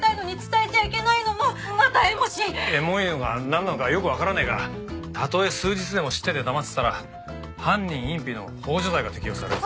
えもいのがなんなのかよくわからねえがたとえ数日でも知ってて黙ってたら犯人隠避の幇助罪が適用されるぞ。